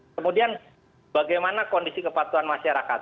kemudian bagaimana kondisi kepatuhan masyarakat